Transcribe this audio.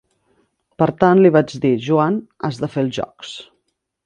Per tant, li vaig dir: "Joan, has de fer els jocs".